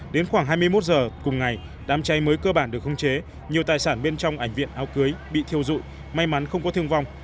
đến khoảng hai mươi một h cùng ngày đám cháy mới cơ bản được không chế nhiều tài sản bên trong ảnh viện áo cưới bị thiêu dụi may mắn không có thương vong